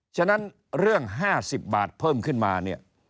ฉะนั้นเรื่อง๕๐บาทเพิ่มขึ้นมาเนี่ย